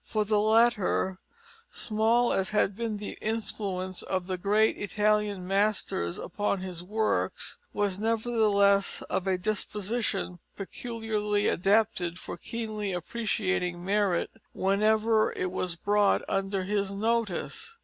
For the latter, small as had been the influence of the great Italian masters upon his work, was nevertheless of a disposition peculiarly adapted for keenly appreciating merit whenever it was brought under his notice.